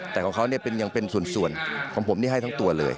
แต่ของเขายังเป็นส่วนของผมที่ให้ทั้งตัวเลย